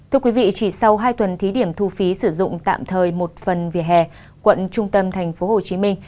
thưa quý vị chỉ sau hai tuần thí điểm thu phí sử dụng tạm thời một phần vỉa hè quận trung tâm tp hcm